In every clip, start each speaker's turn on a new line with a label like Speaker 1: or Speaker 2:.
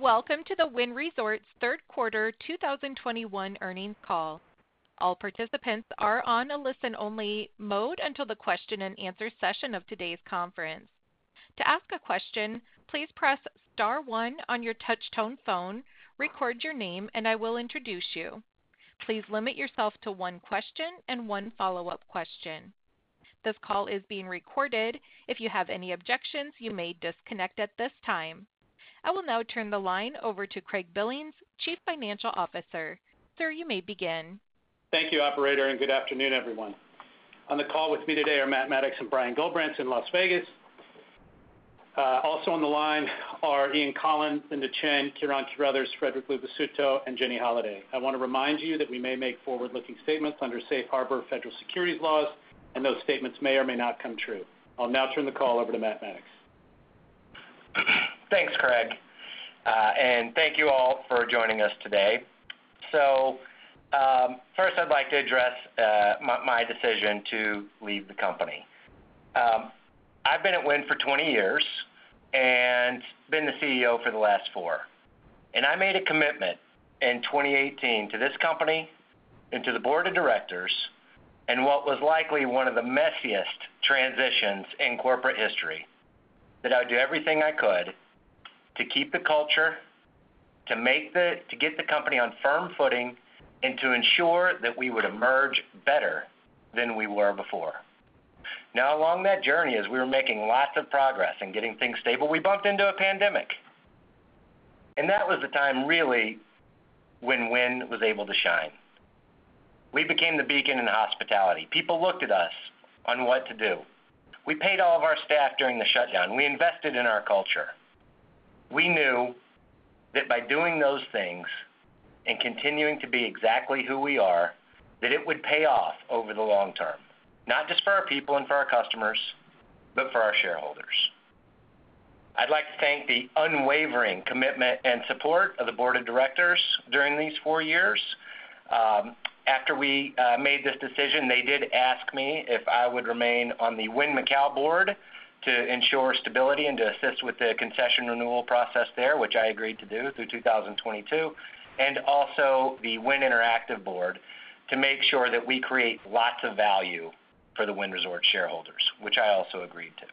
Speaker 1: Welcome to the Wynn Resorts Third Quarter 2021 Earnings Call. All participants are on a listen-only mode until the question-and-answer session of today's conference. To ask a question, please press star one on your touch-tone phone, record your name, and I will introduce you. Please limit yourself to one question and one follow-up question. This call is being recorded. If you have any objections, you may disconnect at this time. I will now turn the line over to Craig Billings, Chief Financial Officer. Sir, you may begin.
Speaker 2: Thank you, operator, and good afternoon, everyone. On the call with me today are Matt Maddox and Brian Gullbrants in Las Vegas. Also on the line are Ian Coughlan, Linda Chen, Ciarán Carruthers, Frederic Luvisutto, and Jenny Holaday. I wanna remind you that we may make forward-looking statements under Safe Harbor federal securities laws, and those statements may or may not come true. I'll now turn the call over to Matt Maddox.
Speaker 3: Thanks, Craig. Thank you all for joining us today. First I'd like to address my decision to leave the company. I've been at Wynn for 20 years and been the CEO for the last four. I made a commitment in 2018 to this company and to the board of directors in what was likely one of the messiest transitions in corporate history, that I would do everything I could to keep the culture, to get the company on firm footing, and to ensure that we would emerge better than we were before. Now, along that journey, as we were making lots of progress and getting things stable, we bumped into a pandemic. That was the time, really, when Wynn was able to shine. We became the beacon in hospitality. People looked at us on what to do. We paid all of our staff during the shutdown. We invested in our culture. We knew that by doing those things and continuing to be exactly who we are, that it would pay off over the long term, not just for our people and for our customers, but for our shareholders. I'd like to thank the unwavering commitment and support of the board of directors during these four years. After we made this decision, they did ask me if I would remain on the Wynn Macau board to ensure stability and to assist with the concession renewal process there, which I agreed to do through 2022, and also the Wynn Interactive board to make sure that we create lots of value for the Wynn Resorts shareholders, which I also agreed to.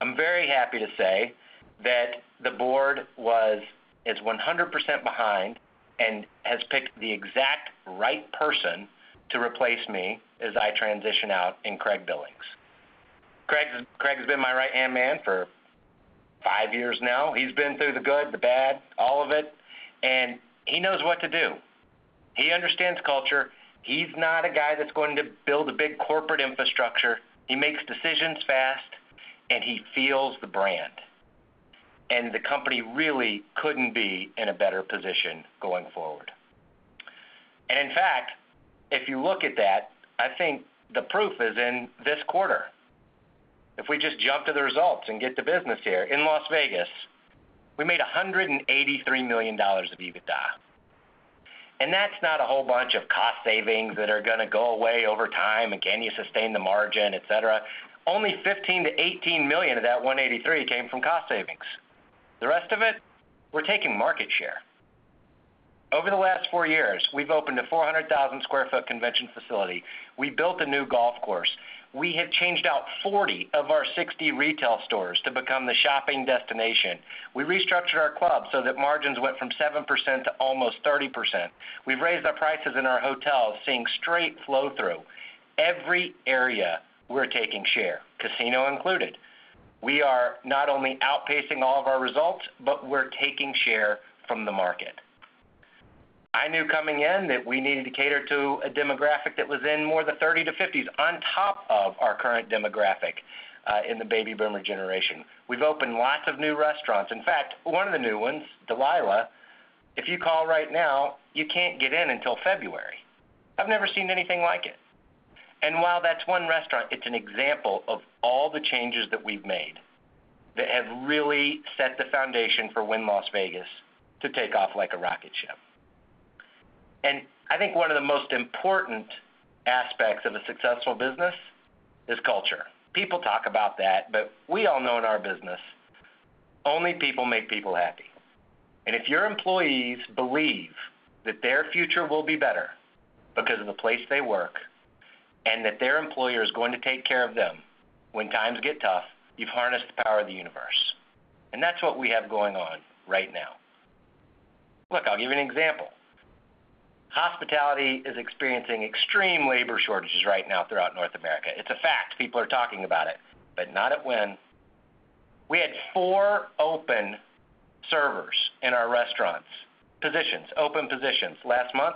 Speaker 3: I'm very happy to say that the board is 100% behind and has picked the exact right person to replace me as I transition out in Craig Billings. Craig's been my right-hand man for five years now. He's been through the good, the bad, all of it, and he knows what to do. He understands culture. He's not a guy that's going to build a big corporate infrastructure. He makes decisions fast, and he feels the brand. The company really couldn't be in a better position going forward. In fact, if you look at that, I think the proof is in this quarter. If we just jump to the results and get to business here, in Las Vegas, we made $183 million of EBITDA. That's not a whole bunch of cost savings that are gonna go away over time. Can you sustain the margin, et cetera. Only $15 million-$18 million of that $183 million came from cost savings. The rest of it, we're taking market share. Over the last four years, we've opened a 400,000 sq ft convention facility. We built a new golf course. We have changed out 40 of our 60 retail stores to become the shopping destination. We restructured our club so that margins went from 7% to almost 30%. We've raised our prices in our hotels, seeing straight flow through. Every area, we're taking share, casino included. We are not only outpacing all of our results, but we're taking share from the market. I knew coming in that we needed to cater to a demographic that was in more the 30 to 50s on top of our current demographic in the baby boomer generation. We've opened lots of new restaurants. In fact, one of the new ones, Delilah, if you call right now, you can't get in until February. I've never seen anything like it. While that's one restaurant, it's an example of all the changes that we've made that have really set the foundation for Wynn Las Vegas to take off like a rocket ship. I think one of the most important aspects of a successful business is culture. People talk about that, but we all know in our business, only people make people happy. If your employees believe that their future will be better because of the place they work and that their employer is going to take care of them when times get tough, you've harnessed the power of the universe, and that's what we have going on right now. Look, I'll give you an example. Hospitality is experiencing extreme labor shortages right now throughout North America. It's a fact. People are talking about it, but not at Wynn. We had four open servers in our restaurants, open positions last month.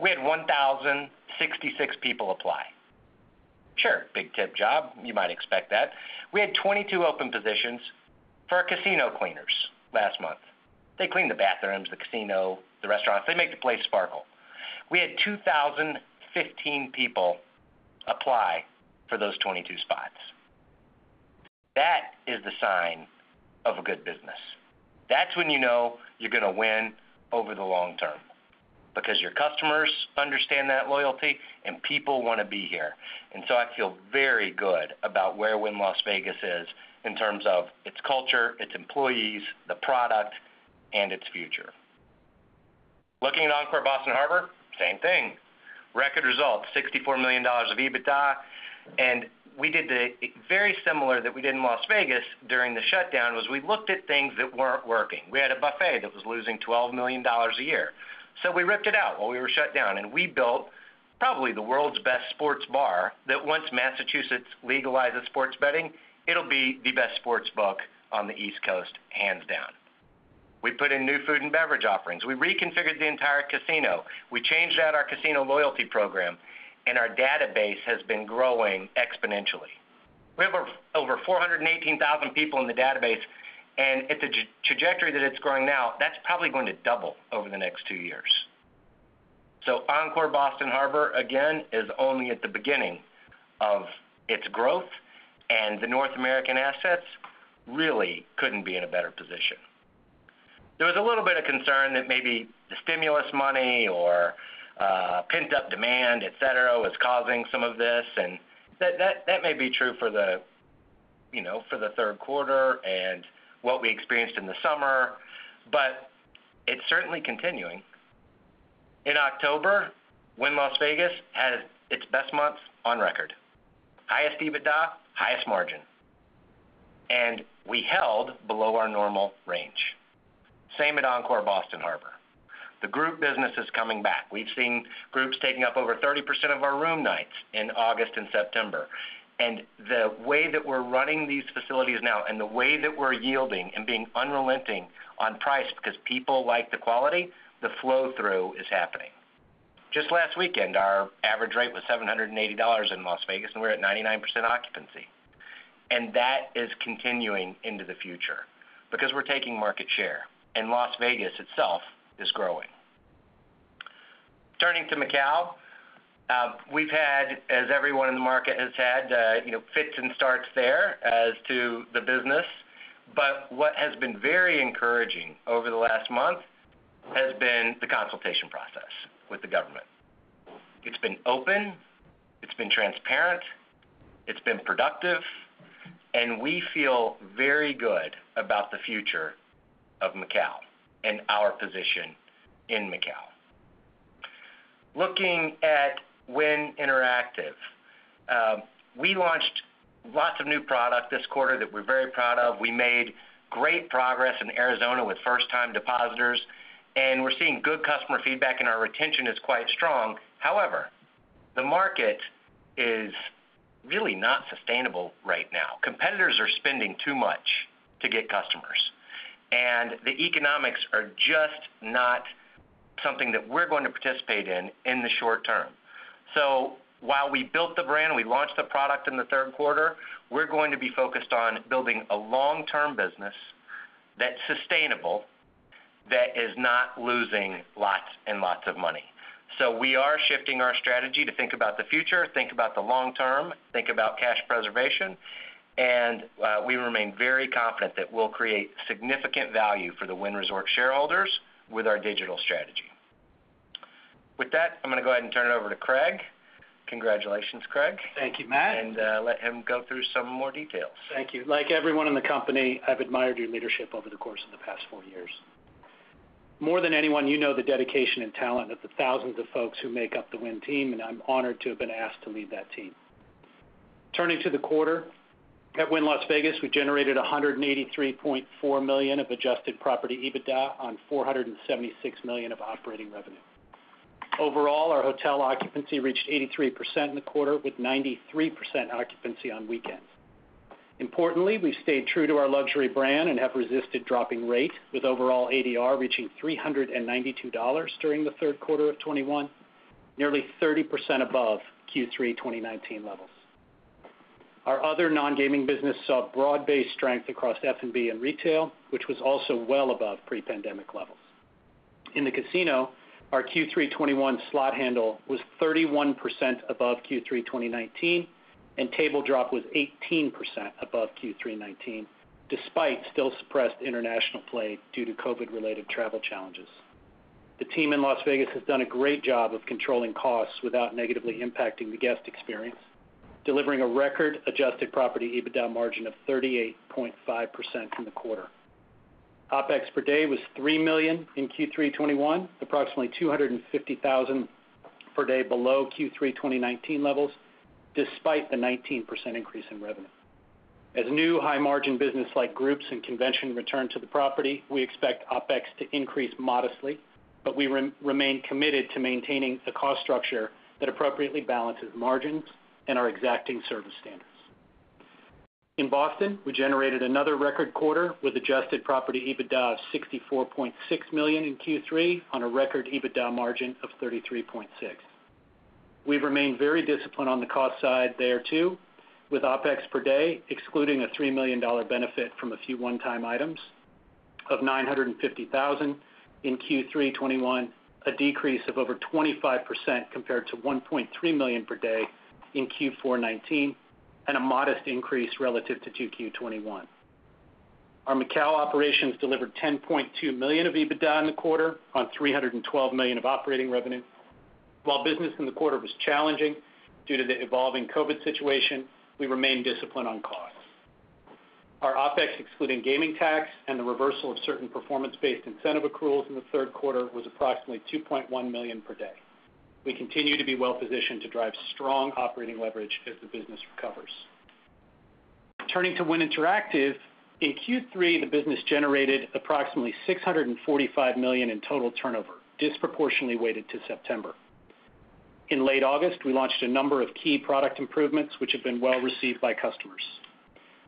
Speaker 3: We had 1,066 people apply. Sure, big tip job, you might expect that. We had 22 open positions for casino cleaners last month. They clean the bathrooms, the casino, the restaurants. They make the place sparkle. We had 2,015 people apply for those 22 spots. That is the sign of a good business. That's when you know you're gonna win over the long term. Because your customers understand that loyalty and people want to be here. I feel very good about where Wynn Las Vegas is in terms of its culture, its employees, the product, and its future. Looking at Encore Boston Harbor, same thing. Record results, $64 million of EBITDA. We did the, very similar that we did in Las Vegas during the shutdown, was we looked at things that weren't working. We had a buffet that was losing $12 million a year, so we ripped it out while we were shut down, and we built probably the world's best sports bar that once Massachusetts legalizes sports betting, it'll be the best sports book on the East Coast, hands down. We put in new food and beverage offerings. We reconfigured the entire casino. We changed out our casino loyalty program, and our database has been growing exponentially. We have over 418,000 people in the database, and at the trajectory that it's growing now, that's probably going to double over the next two years. Encore Boston Harbor, again, is only at the beginning of its growth, and the North American assets really couldn't be in a better position. There was a little bit of concern that maybe the stimulus money or, pent-up demand, et cetera, was causing some of this, and that may be true for the, you know, for the third quarter and what we experienced in the summer, but it's certainly continuing. In October, Wynn Las Vegas had its best month on record. Highest EBITDA, highest margin. We held below our normal range. Same at Encore Boston Harbor. The group business is coming back. We've seen groups taking up over 30% of our room nights in August and September. The way that we're running these facilities now and the way that we're yielding and being unrelenting on price because people like the quality, the flow-through is happening. Just last weekend, our average rate was $780 in Las Vegas, and we're at 99% occupancy. That is continuing into the future because we're taking market share, and Las Vegas itself is growing. Turning to Macau, we've had, as everyone in the market has had, you know, fits and starts there as to the business. What has been very encouraging over the last month has been the consultation process with the government. It's been open, it's been transparent, it's been productive, and we feel very good about the future of Macau and our position in Macau. Looking at Wynn Interactive. We launched lots of new product this quarter that we're very proud of. We made great progress in Arizona with first-time depositors, and we're seeing good customer feedback, and our retention is quite strong. However, the market is really not sustainable right now. Competitors are spending too much to get customers, and the economics are just not something that we're going to participate in in the short term. While we built the brand, we launched the product in the third quarter, we're going to be focused on building a long-term business that's sustainable, that is not losing lots and lots of money. We are shifting our strategy to think about the future, think about the long term, think about cash preservation, and we remain very confident that we'll create significant value for the Wynn Resorts shareholders with our digital strategy. With that, I'm going to go ahead and turn it over to Craig. Congratulations, Craig.
Speaker 2: Thank you, Matt.
Speaker 3: Let him go through some more details.
Speaker 2: Thank you. Like everyone in the company, I've admired your leadership over the course of the past four years. More than anyone, you know the dedication and talent of the thousands of folks who make up the Wynn team, and I'm honored to have been asked to lead that team. Turning to the quarter, at Wynn Las Vegas, we generated $183.4 million of adjusted property EBITDA on $476 million of operating revenue. Overall, our hotel occupancy reached 83% in the quarter, with 93% occupancy on weekends. Importantly, we've stayed true to our luxury brand and have resisted dropping rate with overall ADR reaching $392 during Q3 2021, nearly 30% above Q3 2019 levels. Our other non-gaming business saw broad-based strength across F&B and retail, which was also well above pre-pandemic levels. In the casino, our Q3 2021 slot handle was 31% above Q3 2019, and table drop was 18% above Q3 2019, despite still suppressed international play due to COVID-related travel challenges. The team in Las Vegas has done a great job of controlling costs without negatively impacting the guest experience, delivering a record adjusted property EBITDA margin of 38.5% in the quarter. OpEx per day was $3 million in Q3 2021, approximately $250,000 per day below Q3 2019 levels, despite the 19% increase in revenue. As new high-margin business like groups and convention return to the property, we expect OpEx to increase modestly, but we remain committed to maintaining a cost structure that appropriately balances margins and our exacting service standards. In Boston, we generated another record quarter with adjusted property EBITDA of $64.6 million in Q3 on a record EBITDA margin of 33.6%. We've remained very disciplined on the cost side there too, with OpEx per day excluding a $3 million benefit from a few one-time items of $950,000 in Q3 2021, a decrease of over 25% compared to $1.3 million per day in Q4 2019 and a modest increase relative to Q2 2021. Our Macau operations delivered $10.2 million of EBITDA in the quarter on $312 million of operating revenue. While business in the quarter was challenging due to the evolving COVID situation, we remain disciplined on costs. Our OpEx, excluding gaming tax and the reversal of certain performance-based incentive accruals in the third quarter, was approximately $2.1 million per day. We continue to be well-positioned to drive strong operating leverage as the business recovers. Turning to Wynn Interactive. In Q3, the business generated approximately $645 million in total turnover, disproportionately weighted to September. In late August, we launched a number of key product improvements which have been well received by customers.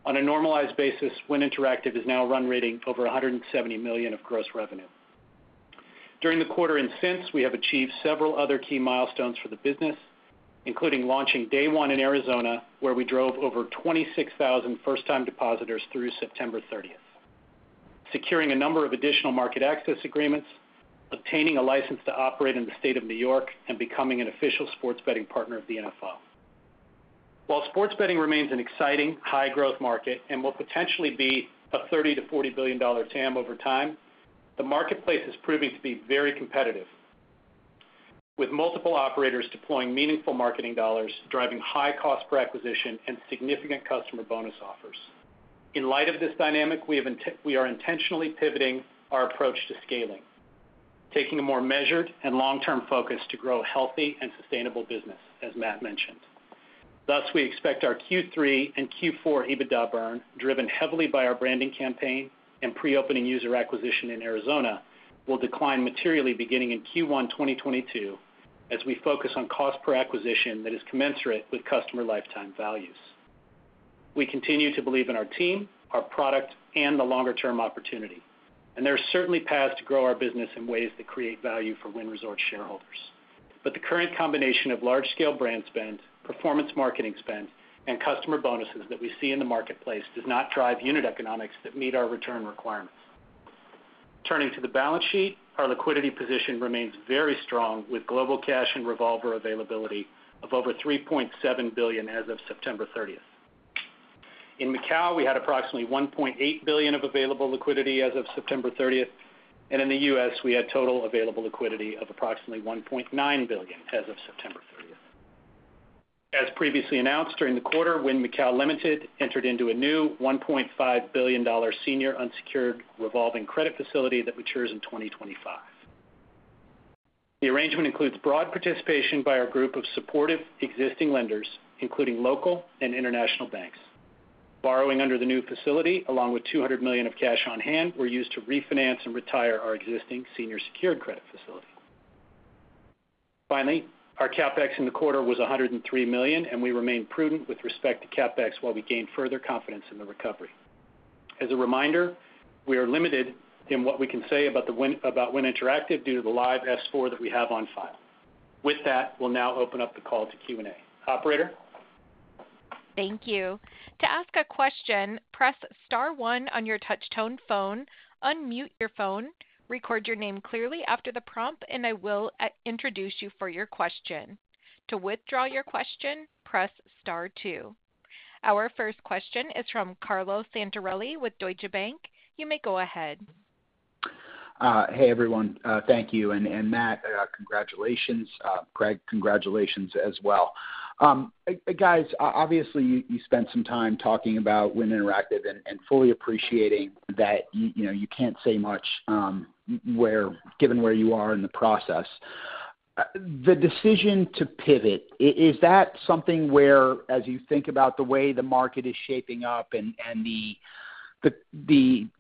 Speaker 2: On a normalized basis, Wynn Interactive is now run-rate over $170 million of gross revenue. During the quarter and since, we have achieved several other key milestones for the business, including launching day one in Arizona, where we drove over 26,000 first-time depositors through September 30th. Securing a number of additional market access agreements, obtaining a license to operate in the state of New York, and becoming an official sports betting partner of the NFL. While sports betting remains an exciting high-growth market and will potentially be a $30 billion-$40 billion TAM over time, the marketplace is proving to be very competitive, with multiple operators deploying meaningful marketing dollars, driving high cost per acquisition and significant customer bonus offers. In light of this dynamic, we are intentionally pivoting our approach to scaling, taking a more measured and long-term focus to grow healthy and sustainable business, as Matt mentioned. Thus, we expect our Q3 and Q4 EBITDA burn, driven heavily by our branding campaign and pre-opening user acquisition in Arizona, will decline materially beginning in Q1 2022 as we focus on cost per acquisition that is commensurate with customer lifetime values. We continue to believe in our team, our product, and the longer-term opportunity, and there are certainly paths to grow our business in ways that create value for Wynn Resorts shareholders. The current combination of large-scale brand spend, performance marketing spend, and customer bonuses that we see in the marketplace does not drive unit economics that meet our return requirements. Turning to the balance sheet, our liquidity position remains very strong, with global cash and revolver availability of over $3.7 billion as of September 30th. In Macau, we had approximately $1.8 billion of available liquidity as of September 30th, and in the U.S., we had total available liquidity of approximately $1.9 billion as of September 30th. As previously announced during the quarter, Wynn Macau, Limited entered into a new $1.5 billion senior unsecured revolving credit facility that matures in 2025. The arrangement includes broad participation by our group of supportive existing lenders, including local and international banks. Borrowing under the new facility, along with $200 million of cash on hand, were used to refinance and retire our existing senior secured credit facility. Finally, our CapEx in the quarter was $103 million, and we remain prudent with respect to CapEx while we gain further confidence in the recovery. As a reminder, we are limited in what we can say about Wynn Interactive due to the live S-4 that we have on file. With that, we'll now open up the call to Q&A. Operator?
Speaker 1: Thank you. To ask a question, press star one on your touch-tone phone, unmute your phone, record your name clearly after the prompt, and I will introduce you for your question. To withdraw your question, press star two. Our first question is from Carlo Santarelli with Deutsche Bank. You may go ahead.
Speaker 4: Hey, everyone. Thank you. Matt, congratulations. Craig, congratulations as well. Guys, obviously, you spent some time talking about Wynn Interactive and fully appreciating that you know, you can't say much, given where you are in the process. The decision to pivot, is that something where, as you think about the way the market is shaping up and the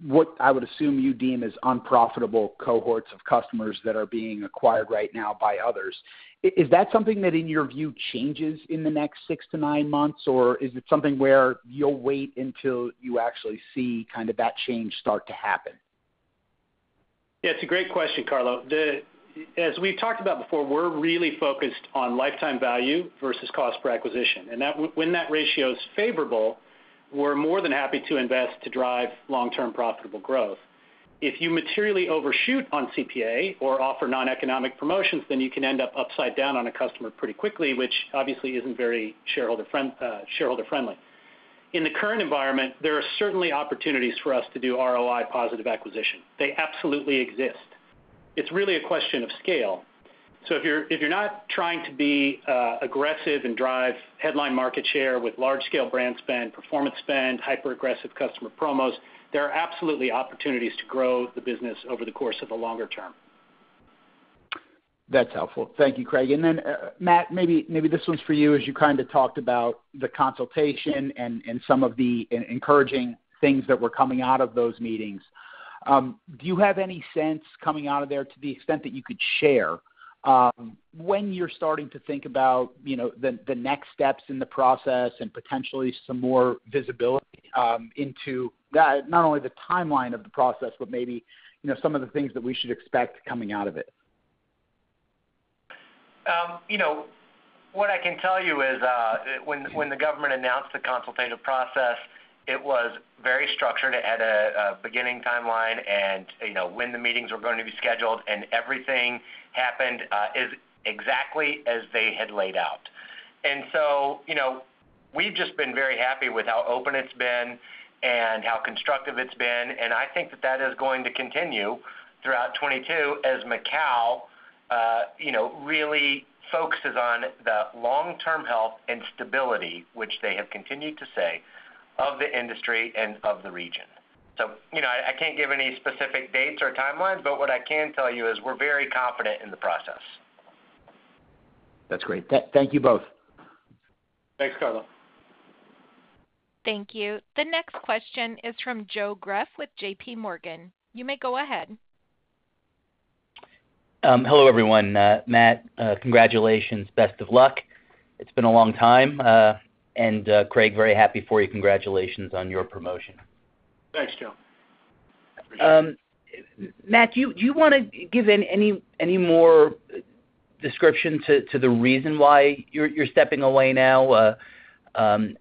Speaker 4: what I would assume you deem as unprofitable cohorts of customers that are being acquired right now by others, is that something that, in your view, changes in the next six to nine months, or is it something where you'll wait until you actually see kind of that change start to happen?
Speaker 2: Yeah, it's a great question, Carlo. As we've talked about before, we're really focused on lifetime value versus cost per acquisition. When that ratio is favorable, we're more than happy to invest to drive long-term profitable growth. If you materially overshoot on CPA or offer non-economic promotions, then you can end up upside down on a customer pretty quickly, which obviously isn't very shareholder friendly. In the current environment, there are certainly opportunities for us to do ROI positive acquisition. They absolutely exist. It's really a question of scale. If you're not trying to be aggressive and drive headline market share with large scale brand spend, performance spend, hyper aggressive customer promos, there are absolutely opportunities to grow the business over the course of the longer term.
Speaker 4: That's helpful. Thank you, Craig. Then, Matt, maybe this one's for you, as you kind of talked about the consultation and some of the encouraging things that were coming out of those meetings. Do you have any sense coming out of there to the extent that you could share, when you're starting to think about, you know, the next steps in the process and potentially some more visibility into not only the timeline of the process, but maybe, you know, some of the things that we should expect coming out of it?
Speaker 3: You know, what I can tell you is, when the government announced the consultative process, it was very structured. It had a beginning timeline and, you know, when the meetings were going to be scheduled and everything happened exactly as they had laid out. You know, we've just been very happy with how open it's been and how constructive it's been. I think that is going to continue throughout 2022 as Macau, you know, really focuses on the long-term health and stability, which they have continued to say, of the industry and of the region. You know, I can't give any specific dates or timelines, but what I can tell you is we're very confident in the process.
Speaker 4: That's great. Thank you both.
Speaker 3: Thanks, Carlo.
Speaker 1: Thank you. The next question is from Joe Greff with JPMorgan. You may go ahead.
Speaker 5: Hello, everyone. Matt, congratulations, best of luck. It's been a long time. Craig, very happy for you. Congratulations on your promotion.
Speaker 3: Thanks, Joe.
Speaker 5: Matt, do you want to give any more description to the reason why you're stepping away now? I'm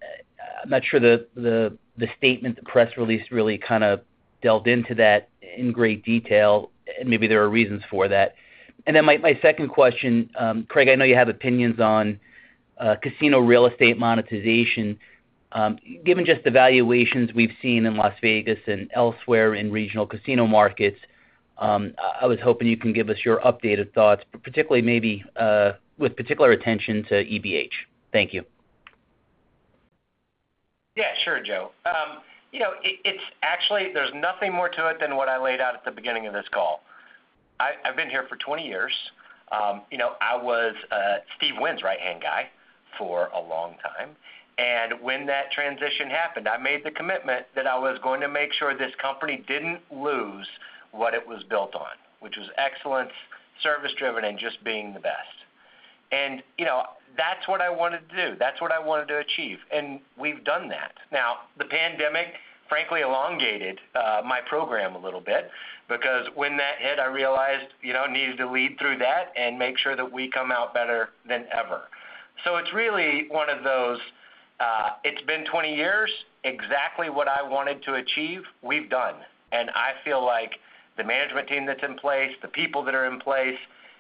Speaker 5: not sure the statement, the press release really kind of delved into that in great detail, and maybe there are reasons for that. My second question, Craig, I know you have opinions on casino real estate monetization. Given just the valuations we've seen in Las Vegas and elsewhere in regional casino markets, I was hoping you can give us your updated thoughts, particularly maybe with particular attention to EBH. Thank you.
Speaker 3: Yeah, sure, Joe. It's actually, there's nothing more to it than what I laid out at the beginning of this call. I've been here for 20 years. I was Steve Wynn's right-hand guy for a long time. When that transition happened, I made the commitment that I was going to make sure this company didn't lose what it was built on, which was excellence, service-driven, and just being the best. That's what I wanted to do. That's what I wanted to achieve, and we've done that. Now, the pandemic, frankly, elongated my program a little bit because when that hit, I realized I needed to lead through that and make sure that we come out better than ever. It's really one of those, it's been 20 years, exactly what I wanted to achieve, we've done. I feel like the management team that's in place, the people that are in place,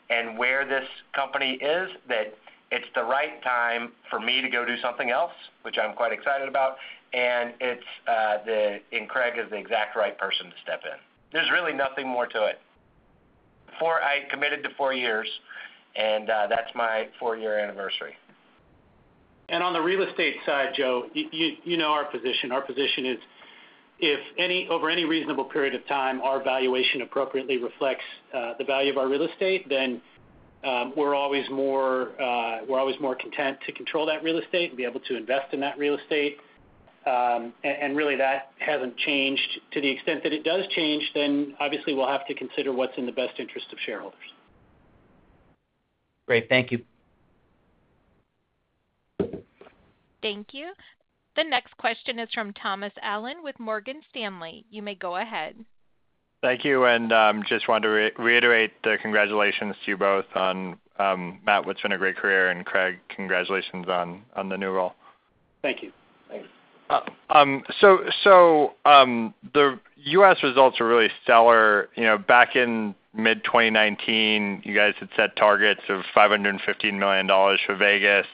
Speaker 3: and where this company is, that it's the right time for me to go do something else, which I'm quite excited about. It's, and Craig is the exact right person to step in. There's really nothing more to it. I committed to four years, and that's my four-year anniversary. On the real estate side, Joe, you know our position. Our position is if over any reasonable period of time, our valuation appropriately reflects the value of our real estate, then we're always more content to control that real estate and be able to invest in that real estate. Really that hasn't changed. To the extent that it does change, then obviously we'll have to consider what's in the best interest of shareholders.
Speaker 5: Great. Thank you.
Speaker 1: Thank you. The next question is from Thomas Allen with Morgan Stanley. You may go ahead.
Speaker 6: Thank you, and just wanted to reiterate the congratulations to you both on Matt, what's been a great career, and Craig, congratulations on the new role.
Speaker 3: Thank you.
Speaker 6: Thanks. The U.S. results are really stellar. You know, back in mid-2019, you guys had set targets of $515 million for Vegas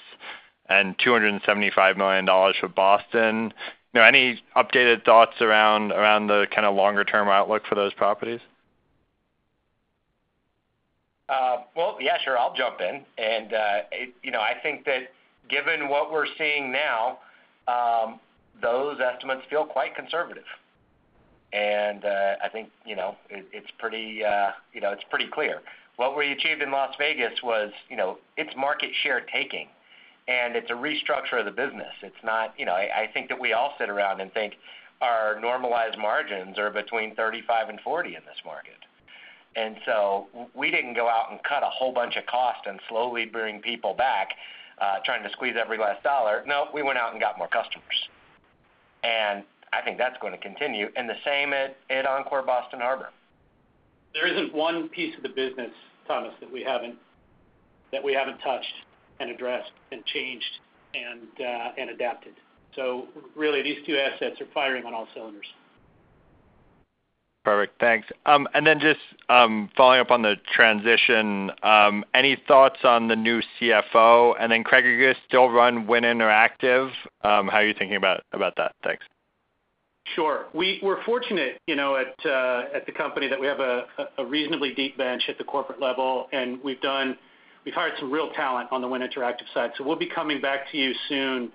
Speaker 6: and $275 million for Boston. You know, any updated thoughts around the kinda longer-term outlook for those properties?
Speaker 3: Well, yeah, sure. I'll jump in. It you know, I think that given what we're seeing now, those estimates feel quite conservative. I think, you know, it's pretty clear. What we achieved in Las Vegas was, you know, it's market share taking, and it's a restructure of the business. It's not, you know. I think that we all sit around and think our normalized margins are between 35% and 40% in this market. We didn't go out and cut a whole bunch of cost and slowly bring people back, trying to squeeze every last dollar. No, we went out and got more customers, and I think that's gonna continue, and the same at Encore Boston Harbor. There isn't one piece of the business, Thomas, that we haven't touched and addressed and changed and adapted. Really, these two assets are firing on all cylinders.
Speaker 6: Perfect. Thanks. Just following up on the transition, any thoughts on the new CFO? Craig, are you gonna still run Wynn Interactive? How are you thinking about that? Thanks.
Speaker 3: Sure. We're fortunate, you know, at the company that we have a reasonably deep bench at the corporate level, and we've hired some real talent on the Wynn Interactive side. We'll be coming back to you soon,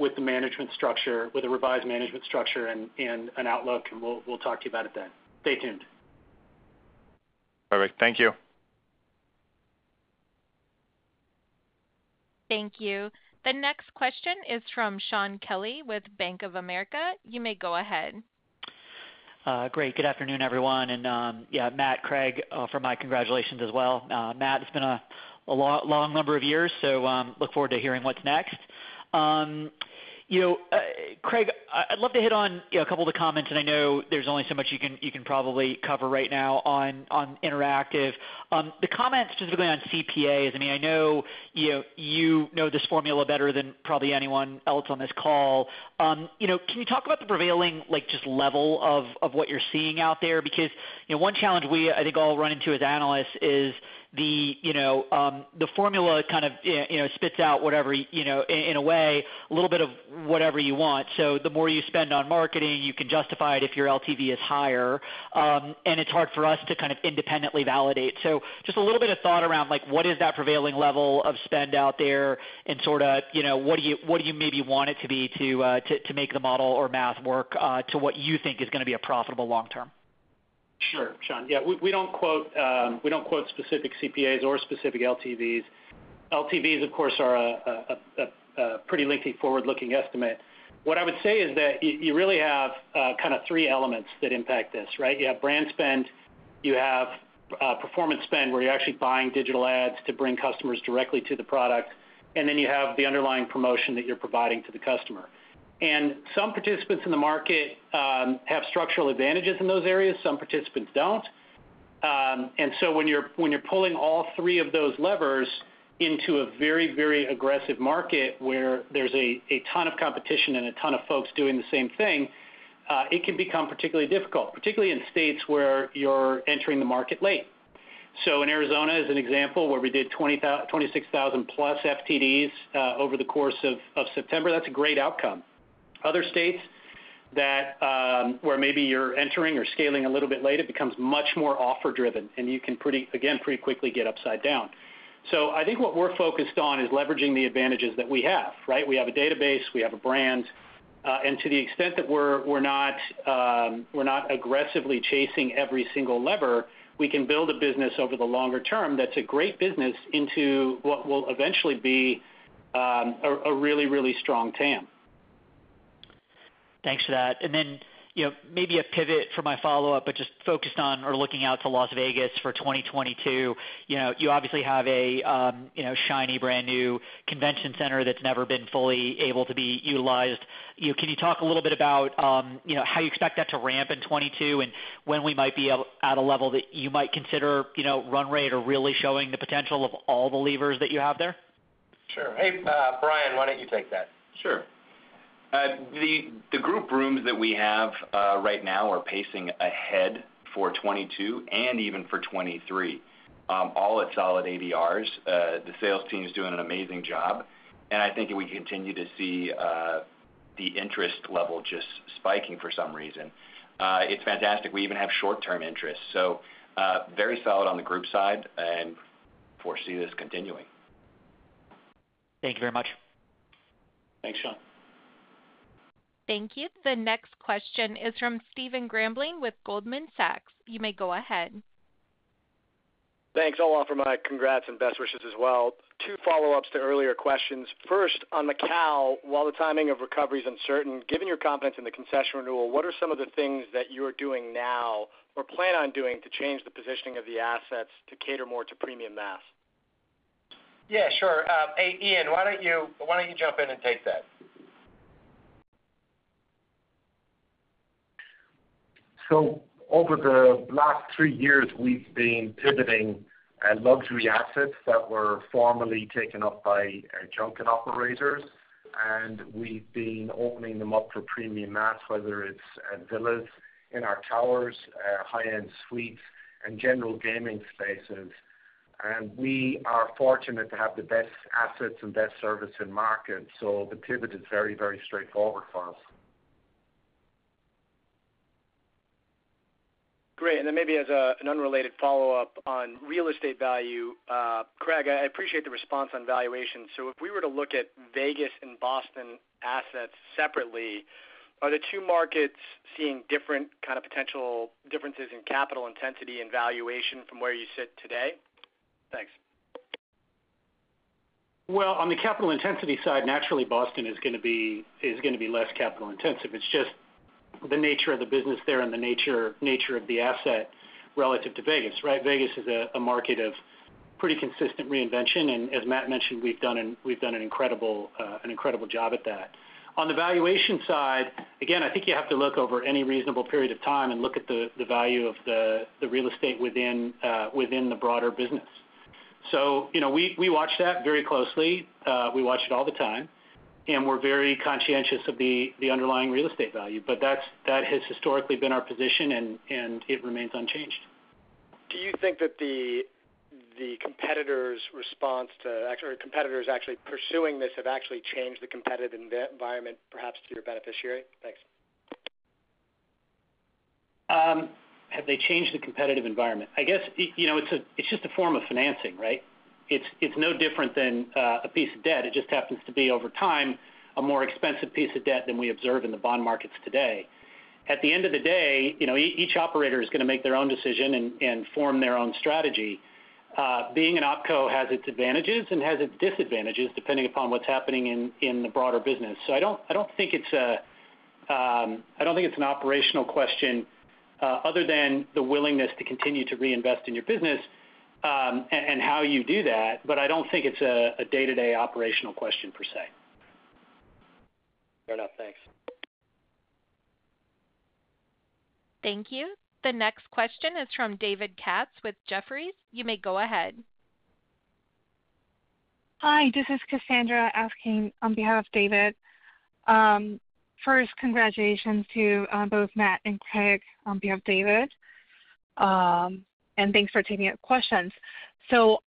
Speaker 3: with the management structure, with a revised management structure and an outlook, and we'll talk to you about it then. Stay tuned.
Speaker 6: Perfect. Thank you.
Speaker 1: Thank you. The next question is from Shaun Kelley with Bank of America. You may go ahead.
Speaker 7: Great. Good afternoon, everyone. Yeah, Matt, Craig, from me, congratulations as well. Matt, it's been a long number of years, so look forward to hearing what's next. You know, Craig, I'd love to hit on, you know, a couple of the comments, and I know there's only so much you can probably cover right now on Interactive. The comments specifically on CPAs, I mean, I know you know this formula better than probably anyone else on this call. You know, can you talk about the prevailing, like, just level of what you're seeing out there? Because, you know, one challenge we, I think, all run into as analysts is the, you know, the formula kind of, you know, spits out whatever you know, in a way, a little bit of whatever you want. So the more you spend on marketing, you can justify it if your LTV is higher. It's hard for us to kind of independently validate. Just a little bit of thought around, like what is that prevailing level of spend out there and sorta, you know, what do you maybe want it to be to make the model or math work to what you think is gonna be a profitable long term?
Speaker 2: Sure, Shaun. Yeah, we don't quote specific CPAs or specific LTVs. LTVs, of course, are a pretty lengthy forward-looking estimate. What I would say is that you really have kind of three elements that impact this, right? You have brand spend, you have performance spend, where you're actually buying digital ads to bring customers directly to the product, and then you have the underlying promotion that you're providing to the customer. Some participants in the market have structural advantages in those areas, some participants don't. When you're pulling all three of those levers into a very aggressive market where there's a ton of competition and a ton of folks doing the same thing, it can become particularly difficult, particularly in states where you're entering the market late.
Speaker 3: In Arizona, as an example, where we did 26,000+ FTDs over the course of September, that's a great outcome. Other states where maybe you're entering or scaling a little bit late, it becomes much more offer-driven, and you can pretty quickly get upside down. I think what we're focused on is leveraging the advantages that we have, right? We have a database, we have a brand, and to the extent that we're not aggressively chasing every single lever, we can build a business over the longer term that's a great business into what will eventually be a really strong TAM.
Speaker 7: Thanks for that. You know, maybe a pivot for my follow-up, but just focused on or looking out to Las Vegas for 2022. You know, you obviously have a, you know, shiny brand new convention center that's never been fully able to be utilized. You know, can you talk a little bit about, you know, how you expect that to ramp in 2022 and when we might be able at a level that you might consider, you know, run rate or really showing the potential of all the levers that you have there?
Speaker 2: Sure. Hey, Brian, why don't you take that?
Speaker 8: Sure. The group rooms that we have right now are pacing ahead for 2022 and even for 2023, all at solid ADRs. The sales team is doing an amazing job. I think that we continue to see the interest level just spiking for some reason. It's fantastic. We even have short-term interest. Very solid on the group side and foresee this continuing.
Speaker 7: Thank you very much.
Speaker 8: Thanks, Shaun.
Speaker 1: Thank you. The next question is from Stephen Grambling with Goldman Sachs. You may go ahead.
Speaker 9: Thanks. I'll offer my congrats and best wishes as well. Two follow-ups to earlier questions. First, on the Macau, while the timing of recovery is uncertain, given your confidence in the concession renewal, what are some of the things that you are doing now or plan on doing to change the positioning of the assets to cater more to premium mass?
Speaker 2: Yeah, sure. Hey, Ian, why don't you jump in and take that?
Speaker 10: Over the last three years, we've been pivoting luxury assets that were formerly taken up by our junket operators, and we've been opening them up for premium mass, whether it's villas in our towers, high-end suites and general gaming spaces. We are fortunate to have the best assets and best service in market. The pivot is very, very straightforward for us.
Speaker 9: Great. Then maybe as an unrelated follow-up on real estate value, Craig, I appreciate the response on valuation. If we were to look at Vegas and Boston assets separately, are the two markets seeing different kind of potential differences in capital intensity and valuation from where you sit today? Thanks.
Speaker 2: Well, on the capital intensity side, naturally, Boston is gonna be less capital intensive. It's just the nature of the business there and the nature of the asset relative to Vegas, right? Vegas is a market of pretty consistent reinvention. As Matt mentioned, we've done an incredible job at that. On the valuation side, again, I think you have to look over any reasonable period of time and look at the value of the real estate within the broader business. You know, we watch that very closely. We watch it all the time, and we're very conscientious of the underlying real estate value. That has historically been our position, and it remains unchanged.
Speaker 9: Do you think that the competitor's response to or competitors actually pursuing this have actually changed the competitive environment perhaps to your benefit? Thanks.
Speaker 2: Have they changed the competitive environment? I guess, you know, it's just a form of financing, right? It's no different than a piece of debt. It just happens to be over time, a more expensive piece of debt than we observe in the bond markets today. At the end of the day, you know, each operator is gonna make their own decision and form their own strategy. Being an opco has its advantages and has its disadvantages depending upon what's happening in the broader business. So I don't think it's an operational question other than the willingness to continue to reinvest in your business and how you do that, but I don't think it's a day-to-day operational question per se.
Speaker 9: Fair enough. Thanks.
Speaker 1: Thank you. The next question is from David Katz with Jefferies. You may go ahead.
Speaker 11: Hi, this is Cassandra asking on behalf of David. First, congratulations to both Matt and Craig on behalf of David. Thanks for taking our questions.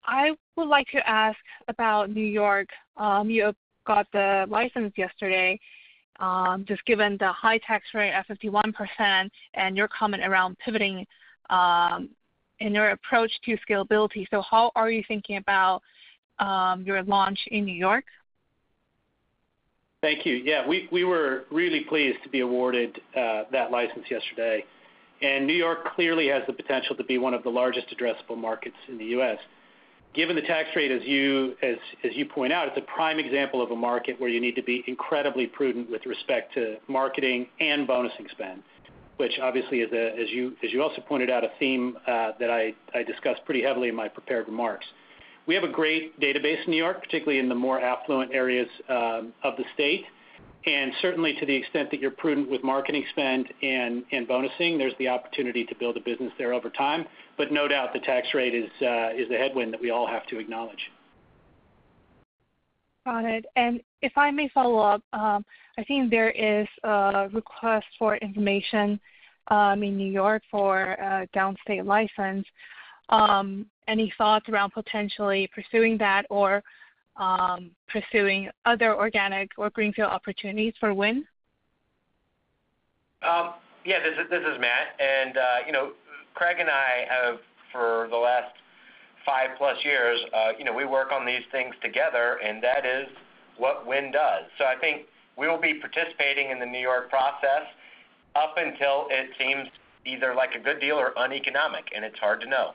Speaker 11: I would like to ask about New York. You got the license yesterday, just given the high tax rate at 51% and your comment around pivoting, in your approach to scalability. How are you thinking about your launch in New York?
Speaker 2: Thank you. Yeah, we were really pleased to be awarded that license yesterday. New York clearly has the potential to be one of the largest addressable markets in the U.S. Given the tax rate as you point out, it's a prime example of a market where you need to be incredibly prudent with respect to marketing and bonus expense, which obviously is a theme that I discussed pretty heavily in my prepared remarks. We have a great database in New York, particularly in the more affluent areas of the state, and certainly to the extent that you're prudent with marketing spend and bonusing, there's the opportunity to build a business there over time. No doubt, the tax rate is the headwind that we all have to acknowledge.
Speaker 11: Got it. If I may follow up, I think there is a request for information in New York for a downstate license. Any thoughts around potentially pursuing that or pursuing other organic or greenfield opportunities for Wynn?
Speaker 3: Yeah, this is Matt. You know, Craig and I have for the last five-plus years, you know, we work on these things together, and that is what Wynn does. I think we'll be participating in the New York process up until it seems either like a good deal or uneconomic, and it's hard to know.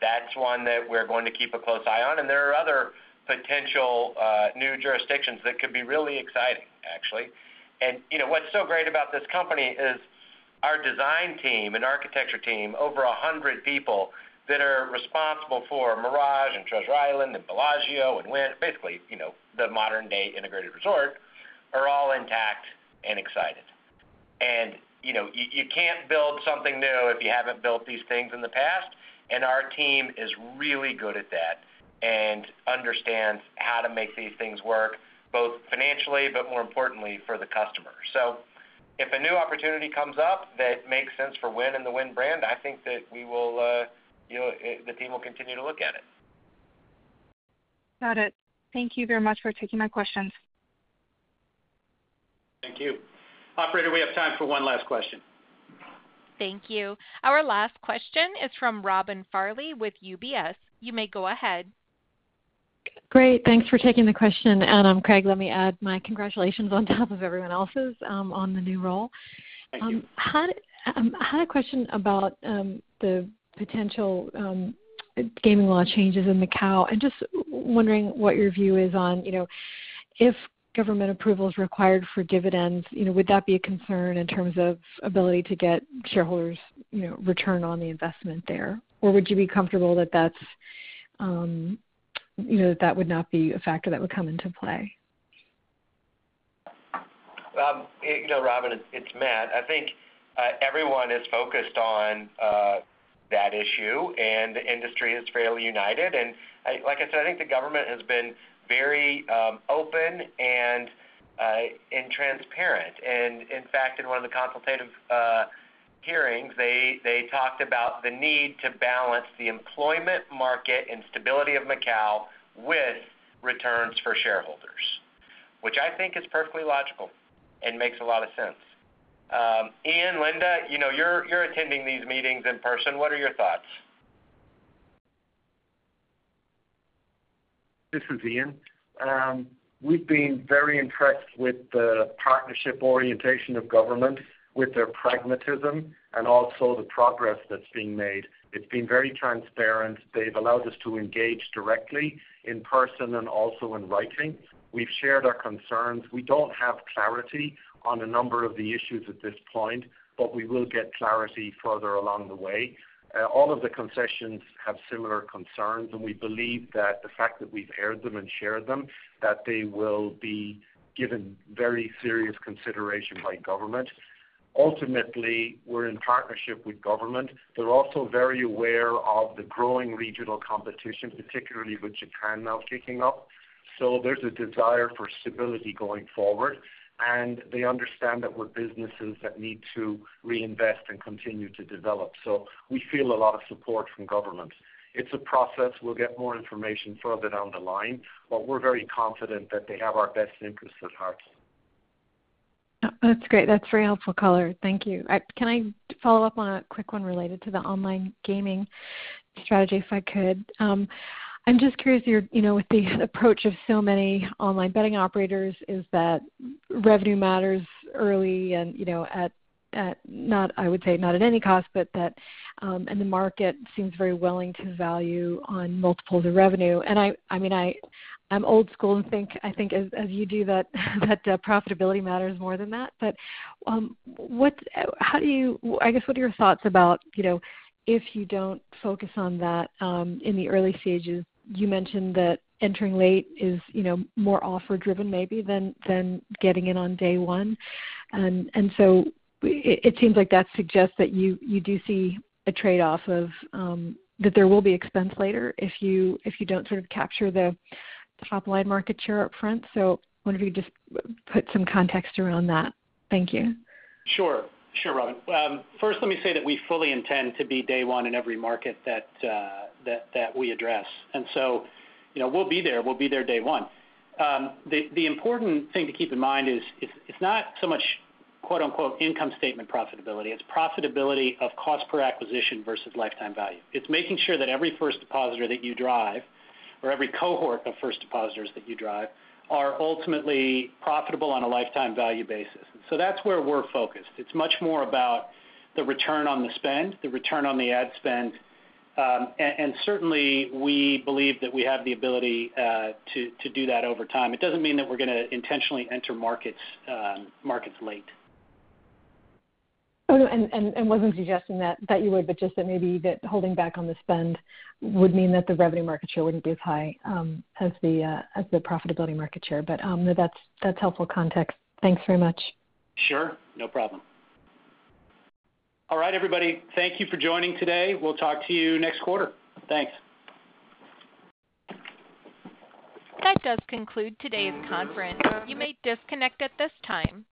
Speaker 3: That's one that we're going to keep a close eye on, and there are other potential new jurisdictions that could be really exciting, actually. You know, what's so great about this company is our design team and architecture team, over 100 people that are responsible for Mirage and Treasure Island and Bellagio and Wynn, basically, you know, the modern-day integrated resort, are all intact and excited. You know, you can't build something new if you haven't built these things in the past, and our team is really good at that and understands how to make these things work, both financially, but more importantly for the customer. If a new opportunity comes up that makes sense for Wynn and the Wynn brand, I think that we will, you know, the team will continue to look at it.
Speaker 11: Got it. Thank you very much for taking my questions.
Speaker 3: Thank you. Operator, we have time for one last question.
Speaker 1: Thank you. Our last question is from Robin Farley with UBS. You may go ahead.
Speaker 12: Great. Thanks for taking the question. Craig, let me add my congratulations on top of everyone else's, on the new role.
Speaker 2: Thank you.
Speaker 12: I had a question about the potential gaming law changes in Macau. Just wondering what your view is on, you know, if government approval is required for dividends, you know, would that be a concern in terms of ability to get shareholders, you know, return on the investment there? Or would you be comfortable that that's, you know, that would not be a factor that would come into play?
Speaker 3: You know, Robyn, it's Matt. I think everyone is focused on that issue, and the industry is fairly united. Like I said, I think the government has been very open and transparent. In fact, in one of the consultative hearings, they talked about the need to balance the employment market and stability of Macau with returns for shareholders, which I think is perfectly logical and makes a lot of sense. Ian, Linda, you know, you're attending these meetings in person. What are your thoughts?
Speaker 10: This is Ian. We've been very impressed with the partnership orientation of government, with their pragmatism and also the progress that's being made. It's been very transparent. They've allowed us to engage directly in person and also in writing. We've shared our concerns. We don't have clarity on a number of the issues at this point, but we will get clarity further along the way. All of the concessions have similar concerns, and we believe that the fact that we've heard them and shared them, that they will be given very serious consideration by government. Ultimately, we're in partnership with government. They're also very aware of the growing regional competition, particularly with Japan now kicking up. There's a desire for stability going forward, and they understand that we're businesses that need to reinvest and continue to develop. We feel a lot of support from government. It's a process. We'll get more information further down the line, but we're very confident that they have our best interests at heart.
Speaker 12: That's great. That's very helpful color. Thank you. Can I follow up on a quick one related to the online gaming strategy, if I could? I'm just curious, you know, with the approach of so many online betting operators is that revenue matters early and, you know, at not, I would say, not at any cost, but that, and the market seems very willing to value on multiples of revenue. I mean, I'm old school and think as you do that, profitability matters more than that. I guess, what are your thoughts about, you know, if you don't focus on that, in the early stages? You mentioned that entering late is, you know, more offer driven maybe than getting in on day one. It seems like that suggests that you do see a trade-off of that there will be expense later if you don't sort of capture the top line market share up front. Wonder if you just put some context around that. Thank you.
Speaker 2: Sure. Sure, Robin. First let me say that we fully intend to be day one in every market that we address. You know, we'll be there. We'll be there day one. The important thing to keep in mind is it's not so much quote-unquote "income statement profitability." It's profitability of cost per acquisition versus lifetime value. It's making sure that every first depositor that you drive or every cohort of first depositors that you drive are ultimately profitable on a lifetime value basis. That's where we're focused. It's much more about the return on the spend, the return on the ad spend. And certainly we believe that we have the ability to do that over time. It doesn't mean that we're gonna intentionally enter markets late.
Speaker 12: Oh, no. Wasn't suggesting that you would, but just that maybe that holding back on the spend would mean that the revenue market share wouldn't be as high as the profitability market share. That's helpful context. Thanks very much.
Speaker 3: Sure. No problem. All right, everybody, thank you for joining today. We'll talk to you next quarter. Thanks.
Speaker 1: That does conclude today's conference. You may disconnect at this time.